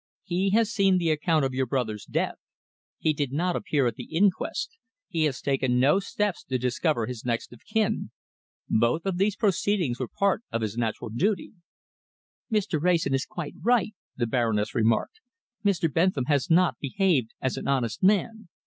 He has seen the account of your brother's death. He did not appear at the inquest. He has taken no steps to discover his next of kin. Both of these proceedings were part of his natural duty." "Mr. Wrayson is quite right," the Baroness remarked. "Mr. Bentham has not behaved as an honest man.